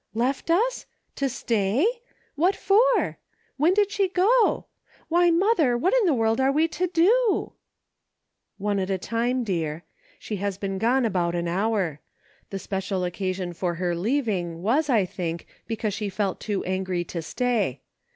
"Left us! To stay.? What for.? When did she go .• Why, mother, what in the world are we to do .•"" One at a time, dear ; she has been gone about an hour ; the special occasion for her leaving, was, I think, because she felt too angry to stay.